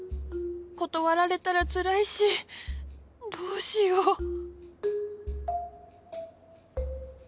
断られたらつらいしどうしよう